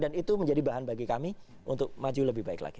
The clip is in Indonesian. dan itu menjadi bahan bagi kami untuk maju lebih baik lagi